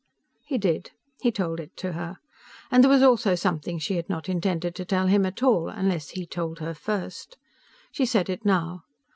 He did. He told it to her. And there was also something she had not intended to tell him at all unless he told her first. She said it now.